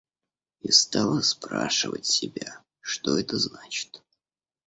И стала спрашивать себя, что это значит.